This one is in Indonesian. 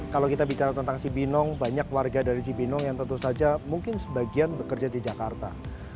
kalau kita bicara tentang cibinong banyak warga dari cibinong yang tentu saja mungkin sebagian bekerja di jakarta